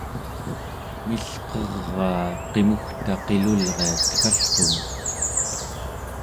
milqeraa qimugta qilulria teggalqumek